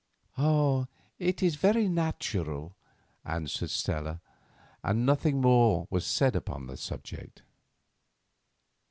"It is very natural," answered Stella, and nothing more was said upon the subject.